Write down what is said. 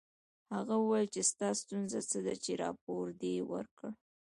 هغه وویل چې ستا ستونزه څه ده چې راپور دې ورکړ